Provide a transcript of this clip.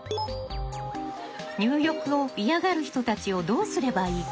入浴を嫌がる人たちをどうすればいいか。